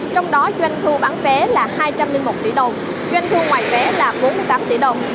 trong đó doanh thu bán vé là hai trăm linh một tỷ đồng doanh thu ngoài vé là bốn mươi tám tỷ đồng